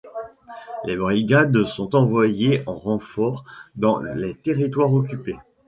Des brigades sont envoyées en renfort dans les territoires occupés.